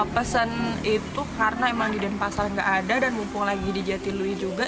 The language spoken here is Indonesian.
pesan itu karena emang di denpasar nggak ada dan mumpung lagi di jatilui juga